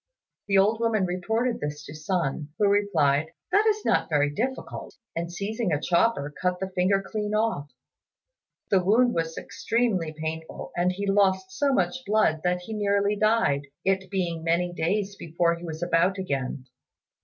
The old woman reported this to Sun, who replied, "That is not very difficult;" and, seizing a chopper, cut the finger clean off. The wound was extremely painful and he lost so much blood that he nearly died, it being many days before he was about again.